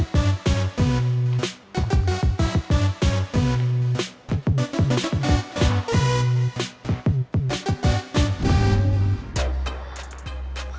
masih nggak mau